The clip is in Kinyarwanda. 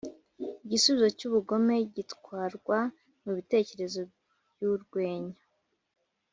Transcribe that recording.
igisubizo cyubugome gitwarwa mubitekerezo byurwenya